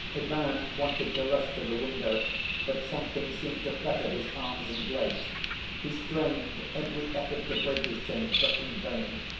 Ivan wanted to rush to the window, but something seemed to fetter his arms and legs. He strained every effort to break his chains, but in vain.